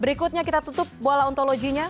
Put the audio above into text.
berikutnya kita tutup bola ontologinya